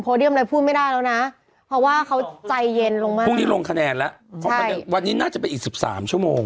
พรุ่งนี้ลงคะแนนแล้ววันนี้น่าจะไปอีก๑๓ชั่วโมง